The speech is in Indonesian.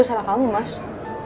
semoga yang lu saja